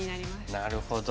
なるほど。